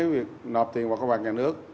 việc nộp tiền vào cơ bản nhà nước